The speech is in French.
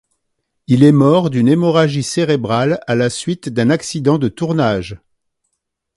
Il est mort d'une hémorragie cérébrale à la suite d'un accident de tournage.